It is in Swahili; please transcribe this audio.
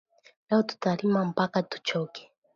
Leo tuta rima paka tu choke